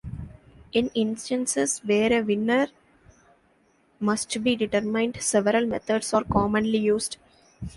In instances where a winner must be determined, several methods are commonly used.